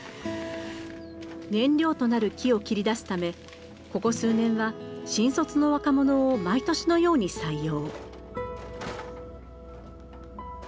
燃料となる木を切り出すためここ数年は新卒の若者を毎年のように採用。